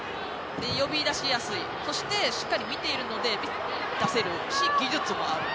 呼び出しやすい、そしてしっかり見ているので出せるし技術もある。